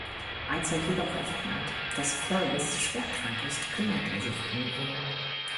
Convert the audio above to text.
Als er jedoch erfährt, dass Fergus schwer krank ist, kümmert er sich um ihn.